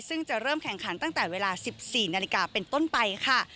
ซึ่งจะเริ่มแข่งขันตั้งแต่เวลา๑๔นาฬิกาเป็นต้นไปค่ะ